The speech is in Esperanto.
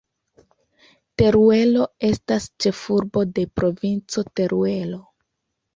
Teruelo estas ĉefurbo de Provinco Teruelo.